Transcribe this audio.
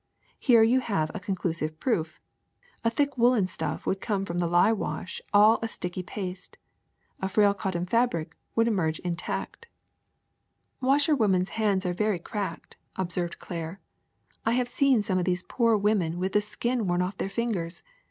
Here you have a conclusive proof. A thick woolen stutf would come from the lye wash all a sticky paste ; a frail cotton fabric would emerge intact. '' ASHES— POTASH 95 ^* Washerwomen's hands are all cracked," ob served Claire. ^'I have seen some of these poor women with the skin worn off their fingers.